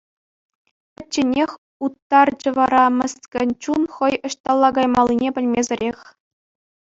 Пӗчченех уттарчӗ вара мӗскӗн чун хӑй ӑҫталла каймаллине пӗлмесӗрех.